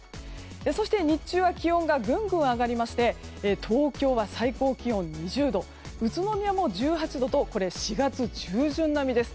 そして、日中は気温がぐんぐん上がりまして東京は最高気温２０度宇都宮も１８度と４月中旬並みです。